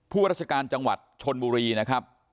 ราชการจังหวัดชนบุรีนะครับ